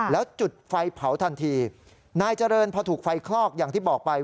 แล้วจุดไฟเผาทันทีนายเจริญพอถูกไฟคลอกอย่างที่บอกไป